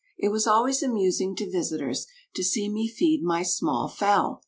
It was always amusing to visitors to see me feed my small fowl!